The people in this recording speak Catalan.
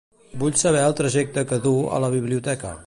Vull saber el trajecte que du a la biblioteca.